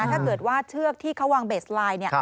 ถ้าเกิดว่าเชือกที่เขาวางเบสไลน์